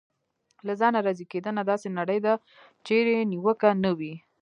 له ځانه راضي کېدنه: داسې نړۍ ده چېرې نیوکه نه وي.